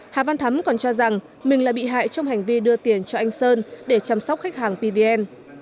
hà văn thắm còn cho rằng mình là bị hại trong hành vi đưa tiền cho anh sơn để chăm sóc khách hàng pvn